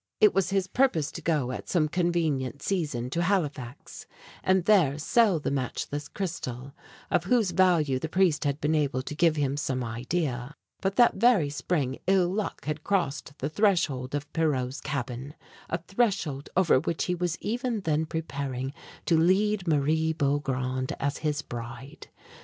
It was his purpose to go, at some convenient season, to Halifax, and there sell the matchless crystal, of whose value the priest had been able to give him some idea. But that very spring ill luck had crossed the threshold of Pierrot's cabin, a threshold over which he was even then preparing to lead Marie Beaugrand as his bride.